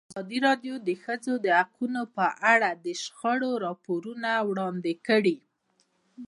ازادي راډیو د د ښځو حقونه په اړه د شخړو راپورونه وړاندې کړي.